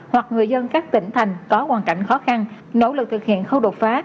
hoặc người dân các tỉnh thành có hoàn cảnh khó khăn nỗ lực thực hiện khâu đột phá